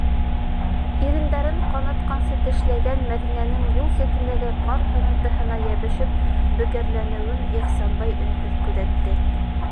- Ирендәрен ҡанатҡансы тешләгән Мәҙинәнең юл ситендәге ҡар һырынтыһына йәбешеп бөгәрләнеүен Ихсанбай өнһөҙ күҙәтте.